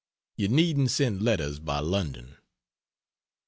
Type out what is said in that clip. You needn't send letters by London.